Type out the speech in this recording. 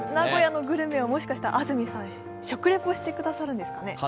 名古屋のグルメをもしかして安住さん、食レポしてくださるんですかね。